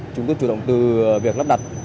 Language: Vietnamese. chúng tôi chủ động từ việc lắp đặt